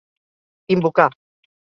Invocar